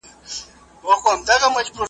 هر آواز یې حیدري وي هر ګوزار یې ذوالفقار کې .